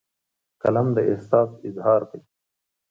قلم د احساس اظهار دی